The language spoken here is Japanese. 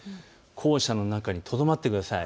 校舎の中にとどまってください。